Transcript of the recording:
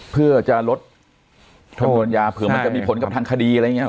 เพื่อจะลดจำนวนยาเผื่อมันจะมีผลกับทางคดีอะไรอย่างนี้